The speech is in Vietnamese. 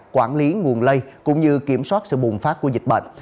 quản lý nguồn lây cũng như kiểm soát sự bùng phát của dịch bệnh